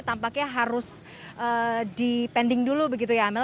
tampaknya harus dipending dulu begitu ya amel